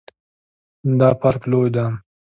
دا پارک لوی ده